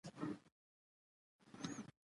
د ادب هره برخه خپل ارزښت لري.